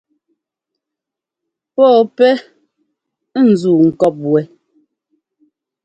Pɔɔ pɛ́ ńzuu ŋkɔɔp wɛ.